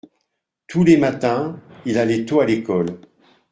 Tous les matins il allait tôt à l’école.